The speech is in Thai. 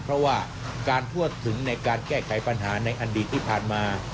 เพราะว่าการทั่วถึงในการแก้ไขปัญหาในอดีตที่ผ่านมา